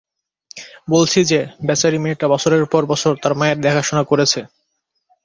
বলছি যে, বেচারি মেয়েটা বছরের পর বছর তার মায়ের দেখাশোনা করেছে।